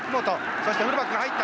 そしてフルバックが入った。